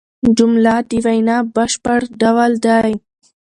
جمله د وینا بشپړ ډول دئ.